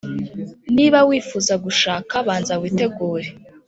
Niba wifuza gushaka banza witegure